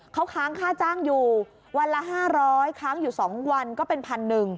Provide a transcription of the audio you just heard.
เขาค้างค่าจ้างอยู่วันละ๕๐๐ค้างอยู่๒วันก็เป็น๑๑๐๐